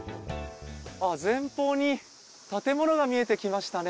あぁ前方に建物が見えてきましたね。